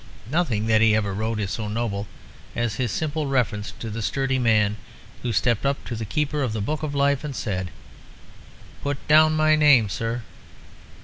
Nothing that he ever wrote is so noble as his simple reference to the sturdy man who stepped up to the Keeper of the Book of Life and said, "Put down my name, Sir."